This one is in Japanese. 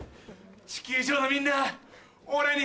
地球上のみんな俺に。